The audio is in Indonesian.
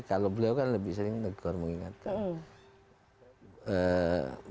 kalau beliau kan lebih sering negor mengingatkan